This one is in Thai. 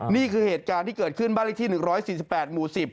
นี่คือเหตุการณ์ที่เกิดขึ้นบ้านเลขที่๑๔๘หมู่๑๐